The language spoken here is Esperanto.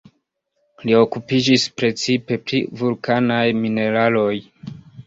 Li okupiĝis precipe pri vulkanaj mineraloj.